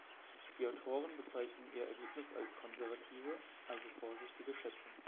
Die Autoren bezeichnen ihr Ergebnis als konservative, also vorsichtige Schätzung.